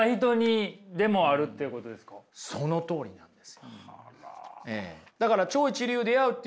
そのとおりなんですよ。